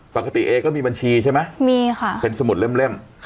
ปกติเอก็มีบัญชีใช่ไหมมีค่ะเป็นสมุดเล่ม